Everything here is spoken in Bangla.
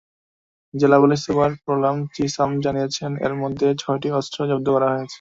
জেলা পুলিশ সুপার প্রলয় চিসিম জানিয়েছেন, এরই মধ্যে ছয়টি অস্ত্র জব্দ করা হয়েছে।